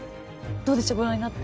どうでしょうご覧になって。